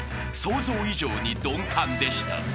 ［想像以上に鈍感でした］